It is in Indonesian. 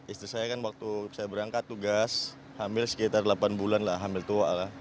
istri saya kan waktu saya berangkat tugas hamil sekitar delapan bulan lah hamil tua lah